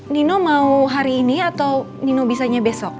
nino mau hari ini atau nino bisanya besok